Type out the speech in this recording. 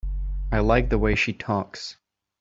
I like the way she talks.